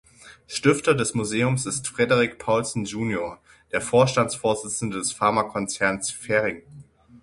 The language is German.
Stifter des Museums ist Frederik Paulsen junior, der Vorstandsvorsitzende des Pharmakonzerns Ferring.